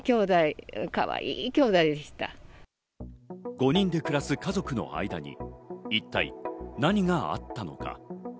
５人で暮らす家族の間に一体何があったのか。